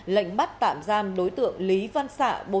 lệnh bắt tạm giam đối tượng lý văn xạ